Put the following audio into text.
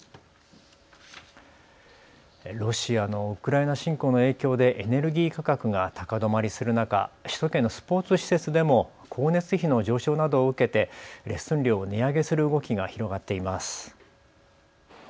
ロシアのウクライナ侵攻の影響でエネルギー価格が高止まりする中、首都圏のスポーツ施設でも光熱費の上昇などを受けてレッスン料を値上げする動きが広がっています。